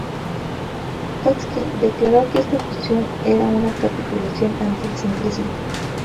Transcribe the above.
Trotsky declaró que esta fusión era una capitulación ante el centrismo.